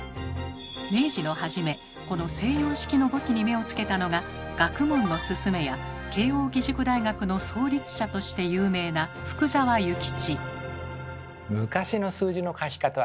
明治の初めこの西洋式の簿記に目をつけたのが「学問のすすめ」や慶應義塾大学の創立者として有名な福沢諭吉。